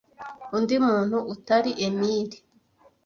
undi muntu utari Emily.